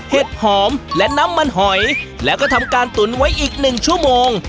เห็ดหอมและน้ำมันหอยแล้วก็ทำการตุ๋นไว้อีกหนึ่งชั่วโมง